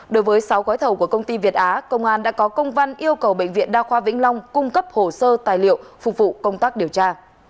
đối với sáu gói thầu của công ty việt á công an đã có công văn yêu cầu bệnh viện đa khoa vĩnh long cung cấp hồ sơ tài liệu phục vụ công tác điều tra